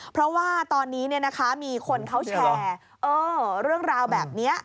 เพราะว่าตอนนี้มีคนเขาแชร์เรื่องราวแบบนี้